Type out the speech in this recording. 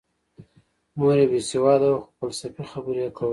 مور یې بې سواده وه خو فلسفي خبرې یې کولې